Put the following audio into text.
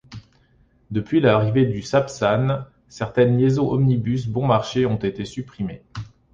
Depuis l'arrivée du Sapsan, certaines liaisons omnibus bon marché ont été supprimées.